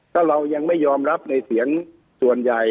ถ้าเรายังไม่ยอมรับในเสียงส่วนใหญ่